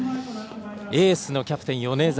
エースのキャプテン米澤。